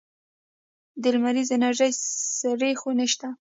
د لمریزې انرژۍ سړې خونې شته؟